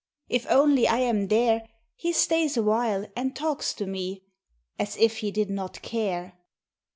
If only I am there, He stays awhile, and talks to me, As if he did not care.